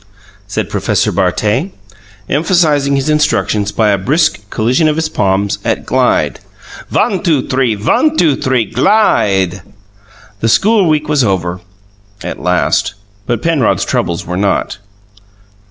said Professor Bartet, emphasizing his instructions by a brisk collision of his palms at "glide." "One two three; one two three glide!" The school week was over, at last, but Penrod's troubles were not.